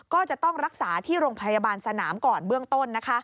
ก็จะต้องรักษาที่โรงพยาบาลสนามก่อนเบื้องต้น